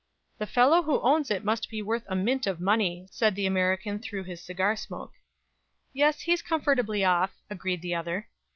"The fellow who owns it must be worth a mint of money," said the American, through his cigar smoke. "Yes, he's comfortably off," agreed the other.